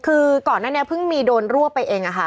คือก่อนนั้นเนี่ยพึ่งมีโดนร่วบไปเองอ่ะค่ะ